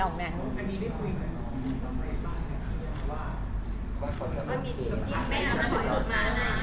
รับความกฎเหลือมากเมื่อนี้ป่ะ